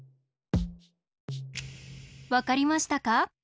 わかりましたか？